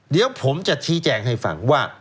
เดี๋ยวผมจะชี้แจงให้ฟังว่า